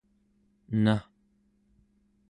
enaᵉ